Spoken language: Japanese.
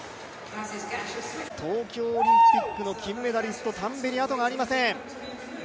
東京オリンピックの金メダリストタンベリ、後がありません。